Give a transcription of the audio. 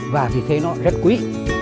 và vì thế nó rất quý